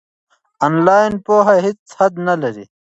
آنلاین پوهه هیڅ حد نلري.